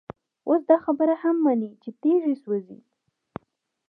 اوس دا خبره هم مني چي تيږي سوزي،